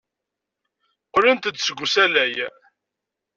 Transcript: Qqlent-d seg usalay.